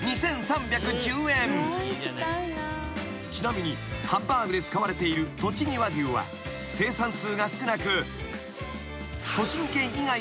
［ちなみにハンバーグで使われているとちぎ和牛は生産数が少なく］